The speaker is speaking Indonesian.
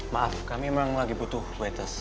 maaf kami memang lagi butuh waites